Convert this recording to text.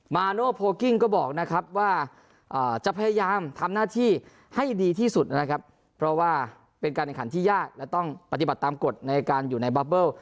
มาโนโพลกิ้งก็บอกนะครับว่าจะพยายามทำหน้าที่ให้ดีที่สุดนะครับเพราะว่าเป็นการแข่งขันที่ยากและต้องปฏิบัติตามกฎในการอยู่ในบับเบิ้ล